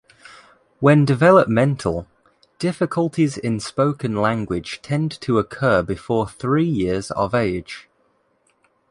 When developmental, difficulties in spoken language tend to occur before three years of age.